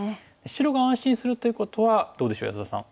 白が安心するということはどうでしょう安田さん。